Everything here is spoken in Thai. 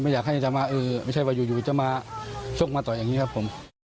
ไม่ใช่ว่าอยู่จะมาชกมาต่ออย่างนี้ครับผม